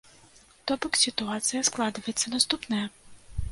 То бок сітуацыя складваецца наступная.